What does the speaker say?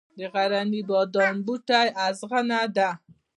د غرني بادام بوټی اغزنه دی